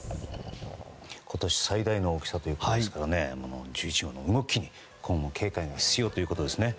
今年最大の大きさということですから１１号の動きに今後警戒が必要ということですね。